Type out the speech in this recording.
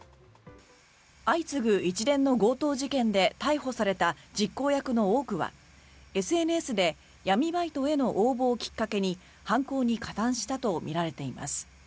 相次ぐ一連の強盗事件で逮捕された実行役の多くはＳＮＳで闇バイトへの応募をきっかけに犯行に加担したとみられています。